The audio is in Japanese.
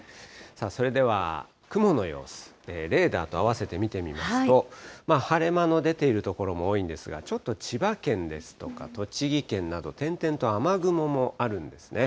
それでは雲の様子、レーダーとあわせて見てみますと、晴れ間の出ている所も多いんですが、ちょっと千葉県ですとか、栃木県など、点々と雨雲もあるんですね。